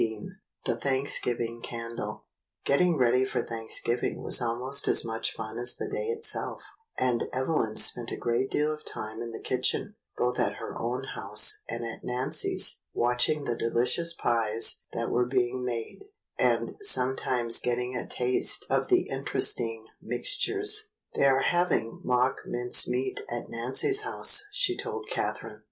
XV The Thmiksgiving Candle GETTING ready for Thanksgiving was almost as much fun as the day itself, and Evelyn spent a great deal of time in the kitchen, both at her own house and at Nancy's, watching the delicious pies that were being made, and sometimes getting a taste of the interesting mixtures. "They are having mock mince meat at Nancy's house," she told Catherine.